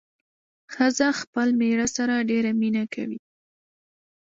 ښځه خپل مېړه سره ډېره مينه کوي